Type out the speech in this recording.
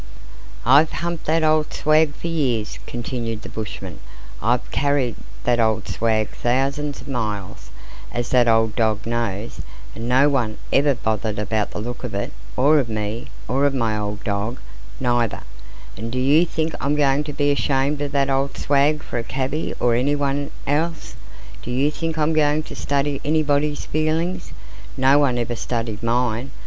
"I've humped that old swag for years," continued the bushman; "I've carried that old swag thousands of miles as that old dog knows an' no one ever bothered about the look of it, or of me, or of my old dog, neither; and do you think I'm going to be ashamed of that old swag, for a cabby or anyone else? Do you think I'm going to study anybody's feelings? No one ever studied mine!